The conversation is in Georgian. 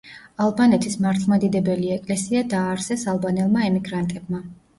ალბანეთის მართლმადიდებელი ეკლესია დააარსეს ალბანელმა ემიგრანტებმა.